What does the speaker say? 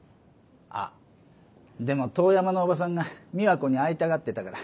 あでも遠山のおばさんが美和子に会いたがってたから。